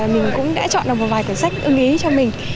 mình cũng đã chọn được một vài cuốn sách ưng ý cho mình